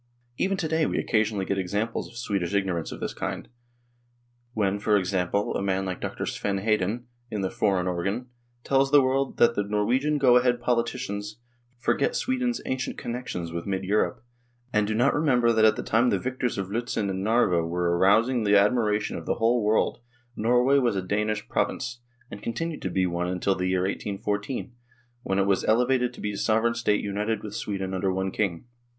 Even to day we occasionally get examples of Swedish ignorance of this kind. When, for example, a man like Dr. Sven Hedin, in a foreign organ, 1 tells the world that the Norwegian go ahead politicians " forget Sweden's ancient connections with mid Europe, and do not remember that at the time the victors of Liitzen and Narva were arousing the admiration of the whole world, Norway was a Danish province, and continued to be one until the year 1814, when it was elevated to be a sovereign state united with Sweden under one king."